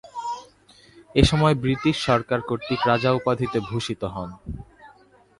এসময় তিনি ব্রিটিশ সরকার কর্তৃক রাজা উপাধিতে ভূষিত হন।